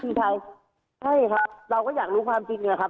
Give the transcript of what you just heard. พี่ชายใช่ครับเราก็อยากรู้ความจริงนะครับ